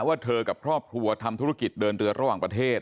ว่าเธอกับครอบครัวทำธุรกิจเดินเรือระหว่างประเทศ